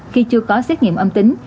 khi chưa có xét nghiệm âm tính